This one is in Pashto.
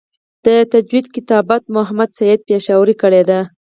د تجوید کتابت محمد سعید پشاوری کړی دی.